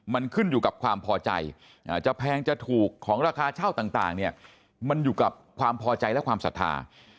มันขึ้นอยู่กับความพอใจจะแพงจะถูกของราคาเช่าต่างเนี่ยมันอยู่กับความพอใจและความศรัทธา